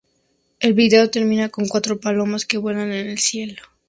El vídeo termina con cuatro palomas que vuelan en el cielo.